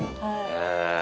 へえ。